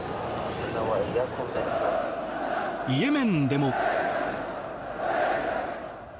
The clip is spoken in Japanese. イエメンでも。